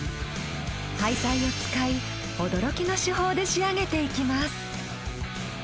廃材を使い驚きの手法で仕上げていきます。